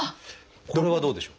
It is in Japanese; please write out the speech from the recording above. これはどうでしょう？